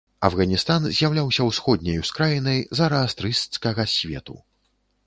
Афганістан з'яўляўся ўсходняй ускраінай зараастрысцкага свету.